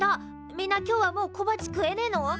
みんな今日はもう小鉢食えねえの！？